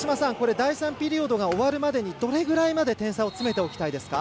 第３ピリオドが終わるまでにどれぐらいまで点差を詰めておきたいですか？